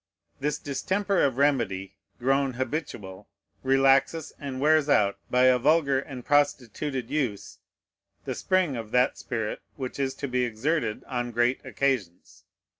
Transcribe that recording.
This distemper of remedy, grown habitual, relaxes and wears out, by a vulgar and prostituted use, the spring of that spirit which is to be exerted on great occasions.